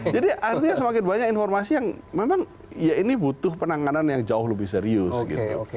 jadi artinya semakin banyak informasi yang memang ya ini butuh penanganan yang jauh lebih serius gitu